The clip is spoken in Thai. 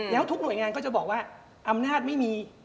แล้วทุกหน่วยงานก็จะบอกว่าอำนาจไม่มี